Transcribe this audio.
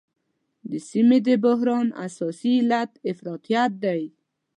د سیمې د بحران اساسي علت افراطیت دی.